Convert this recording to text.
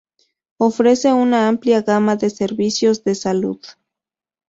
Ofrece una amplia gama de servicios de salud.